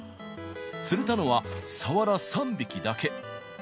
釣れたのはサワラ３匹だけ。